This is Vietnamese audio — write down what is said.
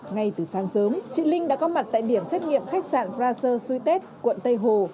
ngay từ sáng sớm chị linh đã có mặt tại điểm xét nghiệm khách sạn fraser suytet quận tây hồ